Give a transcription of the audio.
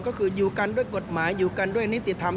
ก็คืออยู่กันด้วยกฎหมายอยู่กันด้วยนิติธรรม